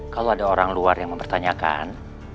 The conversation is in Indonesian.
kalau ada orang luar yang mempertanyakan